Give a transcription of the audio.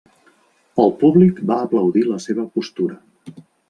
El públic va aplaudir la seva postura.